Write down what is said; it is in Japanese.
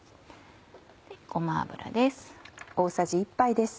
ごま油です。